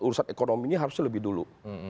urusan ekonomi ini harusnya lebih dulu